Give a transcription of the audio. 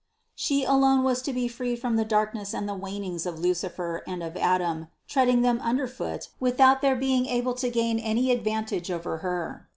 She alone was to be free from the darkness and the wanings of Lucifer and of Adam, treading them under foot without their being able to gain any advantage over Her.